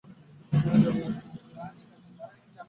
সেখানে যাবার ব্যবস্থাটা বলি-প্রথমে যেতে হবে ঠাকারোকোণা।